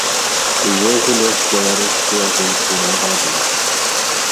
Увогуле, беларускія жанчыны радуюць.